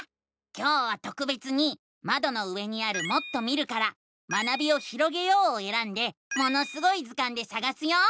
今日はとくべつにまどの上にある「もっと見る」から「学びをひろげよう」をえらんで「ものすごい図鑑」でさがすよ。